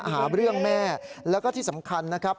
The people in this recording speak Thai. หาเรื่องแม่แล้วก็ที่สำคัญนะครับ